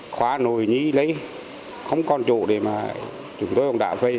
khoa nội nhi lây không còn chỗ để mà chúng tôi không đảm vệ